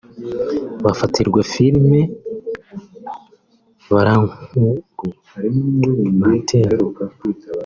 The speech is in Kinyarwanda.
bafatirwa filime mbarankuru(Documentaire)